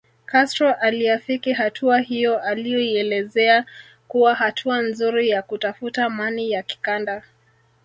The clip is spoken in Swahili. Castro aliafiki hatua hiyo aliyoielezea kuwa hatua nzuri ya kutafuta mani ya kikanda